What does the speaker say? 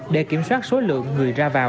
để kiểm soát số lượng người ra vào